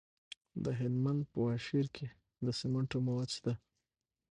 د هلمند په واشیر کې د سمنټو مواد شته.